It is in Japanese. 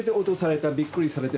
びっくりされて。